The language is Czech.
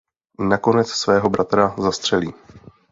Nakonec svého bratra zastřelí.